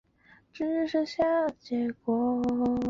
字根是字形类中文输入法拆字的基本形状单位。